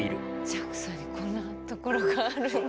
ＪＡＸＡにこんなところがあるんだ。